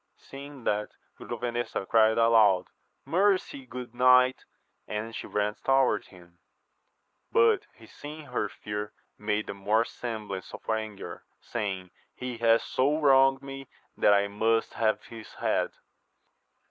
Seeing that, Grovenesa cried aloud, mercy, good knight, and she ran towards him; but he seeing her fear, made the more semblance of anger, saying. He hath so wronged me that I must have his head.